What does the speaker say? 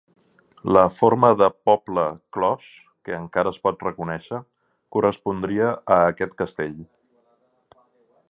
La forma de poble clos, que encara es pot reconèixer, correspondria a aquest castell.